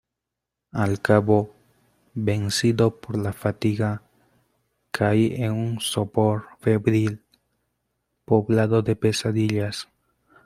al cabo, vencido por la fatiga , caí en un sopor febril , poblado de pesadillas.